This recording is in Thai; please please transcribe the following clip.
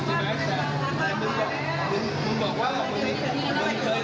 ผมไม่บอกให้นะครับตอนนี้ผมเอาการกิจของประเทศไทย